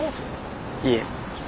いえ。